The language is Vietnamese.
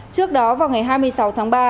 trước đó vào ngày hai mươi sáu tháng ba